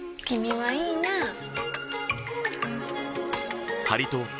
君はいいなぁ。